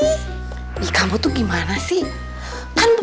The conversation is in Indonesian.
ini kamu tuh gimana sih